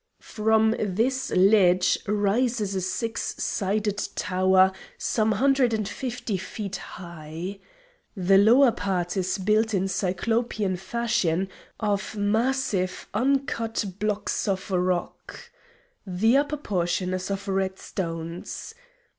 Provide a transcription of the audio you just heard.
From this ledge rises a six sided tower some hundred and fifty feet high. The lower part is built in Cyclopean fashion, of massive uncut blocks of rock. The upper portion is of red stones.